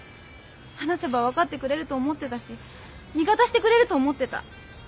話せば分かってくれると思ってたし味方してくれると思ってた。